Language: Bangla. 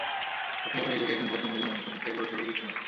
আপনি আবার নিজেকে একজন ভদ্রমহিলা মনে করেন, তাই বড়সড় কিছু না।